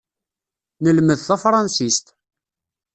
Nelmed tafṛansist.